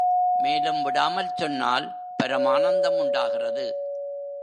மேலும் விடாமல் சொன்னால் பரமானந்தம் உண்டாகிறது.